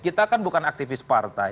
kita kan bukan aktivis partai